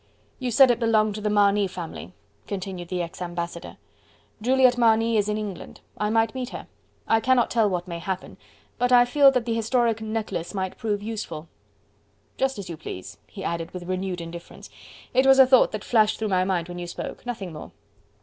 "You said it belonged to the Marny family," continued the ex ambassador. "Juliette Marny is in England. I might meet her. I cannot tell what may happen: but I feel that the historic necklace might prove useful. Just as you please," he added with renewed indifference. "It was a thought that flashed through my mind when you spoke nothing more."